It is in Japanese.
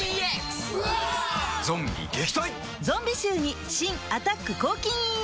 ゾンビ臭に新「アタック抗菌ＥＸ」